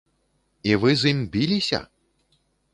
І вы з ім біліся?